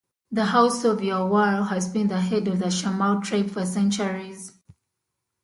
The House of Yawar has been the head of the Shammar tribe for centuries.